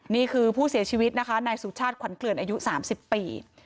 นี่คือผู้เสียชีวิตนะคะนายสุชาติขวัญเกลือนอายุ๓๐ปี